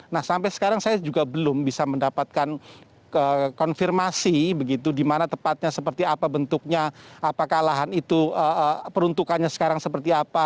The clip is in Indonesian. nah sampai sekarang saya juga belum bisa mendapatkan konfirmasi begitu di mana tepatnya seperti apa bentuknya apakah lahan itu peruntukannya sekarang seperti apa